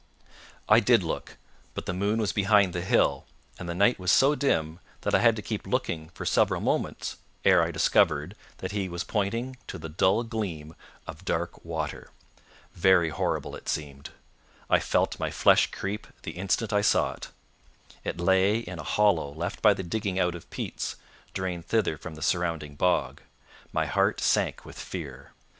I did look, but the moon was behind the hill, and the night was so dim that I had to keep looking for several moments ere I discovered that he was pointing to the dull gleam of dark water. Very horrible it seemed. I felt my flesh creep the instant I saw it. It lay in a hollow left by the digging out of peats, drained thither from the surrounding bog. My heart sank with fear.